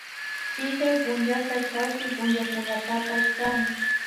Chillay punllaka chawpi punchakunapapash kan